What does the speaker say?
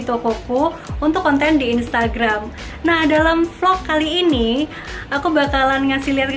tokoku untuk konten di instagram nah dalam vlog kali ini aku bakalan ngasih lihat